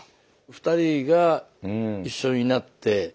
２人が一緒になって。